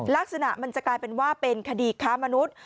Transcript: ลักษณะมันจะกลายเป็นว่าเป็นคดีค้ามนุษย์